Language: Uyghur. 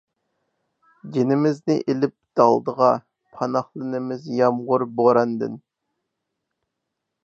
جېنىمىزنى ئېلىپ دالدىغا، پاناھلىنىمىز يامغۇر، بوراندىن.